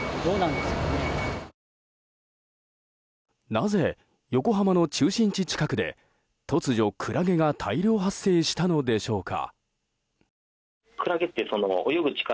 なぜ横浜の中心地近くで突如クラゲが大量発生したのでしょうか。